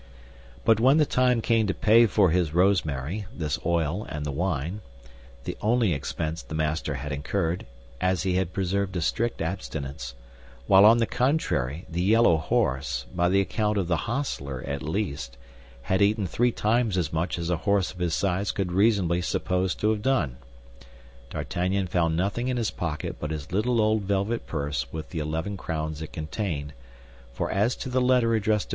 But when the time came to pay for his rosemary, this oil, and the wine, the only expense the master had incurred, as he had preserved a strict abstinence—while on the contrary, the yellow horse, by the account of the hostler at least, had eaten three times as much as a horse of his size could reasonably be supposed to have done—D'Artagnan found nothing in his pocket but his little old velvet purse with the eleven crowns it contained; for as to the letter addressed to M.